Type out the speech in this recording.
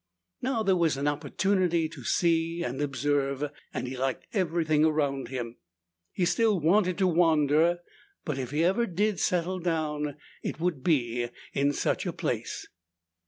Now there was an opportunity to see and observe, and he liked everything around him. He still wanted to wander, but if he ever did settle down, it would be in such a place.